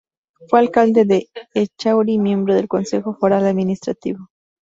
Fue alcalde de Echauri y miembro del Consejo Foral Administrativo.